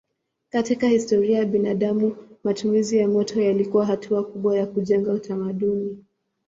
Katika historia ya binadamu matumizi ya moto yalikuwa hatua kubwa ya kujenga utamaduni.